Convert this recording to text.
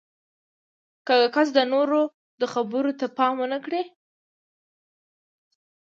که یو کس د نورو خبرو ته پام ونه کړي